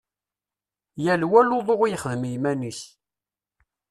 Yal wa lutu i yexdem i yiman-is.